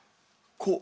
こう。